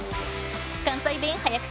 関西弁早口